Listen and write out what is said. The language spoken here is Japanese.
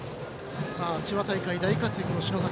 千葉大会、大活躍の篠崎。